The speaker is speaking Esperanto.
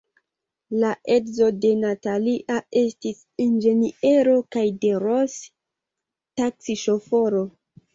La edzo de Natalia estis inĝeniero kaj de Ros – taksiŝoforo.